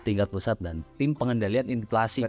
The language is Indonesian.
tingkat pusat dan tim pengendalian inflasi